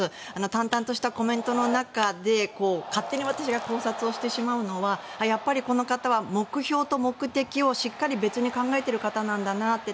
淡々としたコメントの中で勝手に私が考察してしまうのはやっぱりこの方は目標と目的をしっかり別に考えている方なんだなって。